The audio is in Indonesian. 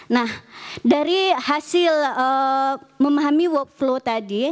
nah dari hasil memahami workflow tadi